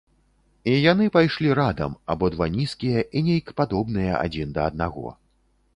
І яны пайшлі радам, абодва нізкія і нейк падобныя адзін да аднаго.